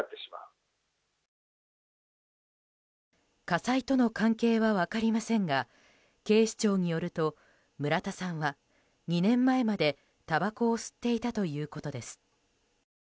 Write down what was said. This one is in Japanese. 火災との関係は分かりませんが警視庁によると村田さんは２年前までたばこを吸っていたということです。